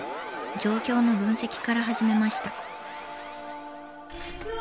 状況の分析から始めました。